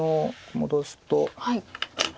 戻すと。